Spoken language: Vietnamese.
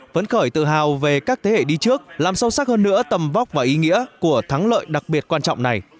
vẫn khởi tự hào về các thế hệ đi trước làm sâu sắc hơn nữa tầm vóc và ý nghĩa của thắng lợi đặc biệt quan trọng này